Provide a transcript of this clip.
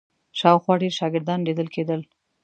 شاوخوا ډېر شاګردان لیدل کېدل.